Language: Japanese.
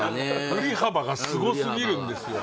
振り幅がすごすぎるんですよ